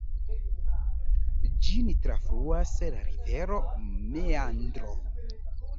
Ĝin trafluas la rivero Meandro.